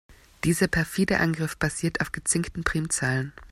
Dieser perfide Angriff basiert auf gezinkten Primzahlen.